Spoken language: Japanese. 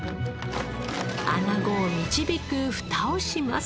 アナゴを導くフタをします。